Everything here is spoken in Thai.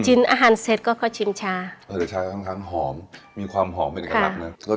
อาหารเสร็จก็เขาชิมชาเออชาก็ค่อนข้างหอมมีความหอมเป็นเอกลักษณ์นะ